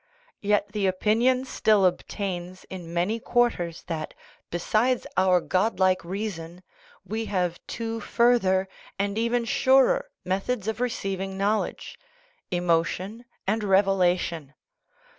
Yet the opinion still obtains in many quarters that, besides our godlike reason, we have two further (and even surer !) methods of receiving knowl edge emotion and revelation.